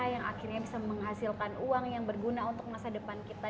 yang akhirnya bisa menghasilkan uang yang berguna untuk masa depan kita